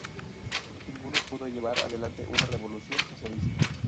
Ninguno pudo llevar adelante una revolución socialista.